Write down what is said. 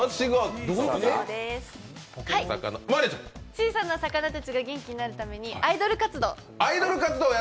小さな魚たちが元気にあるためにアイドル活動。